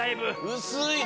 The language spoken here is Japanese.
うすい。